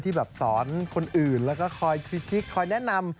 แบบสอนคนอื่นแล้วก็คอยคลิกคอยแนะนำ